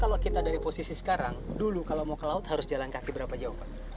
kalau kita dari posisi sekarang dulu kalau mau ke laut harus jalan kaki berapa jauh pak